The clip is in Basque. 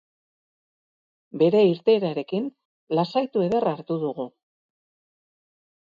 Bere irteerarekin lasaitu ederra hartu dugu.